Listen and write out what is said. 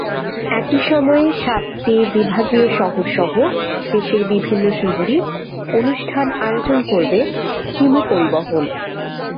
একই সময়ে সাতটি বিভাগীয় শহরসহ দেশের বিভিন্ন শহরে অনুষ্ঠান আয়োজন করবে হিমু পরিবহন।